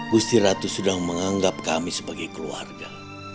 gusti ratu sedang menganggap kami sebagai keluarga